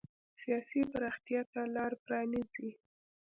سیاسي پراختیا ته لار پرانېزي.